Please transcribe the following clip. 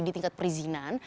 di tingkat perizinan